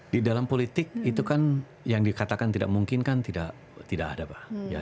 di dalam politik itu kan yang dikatakan tidak mungkin kan tidak ada pak